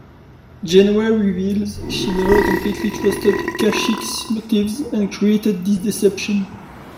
Janeway reveals she never completely trusted Kashyk's motives, and created this deception.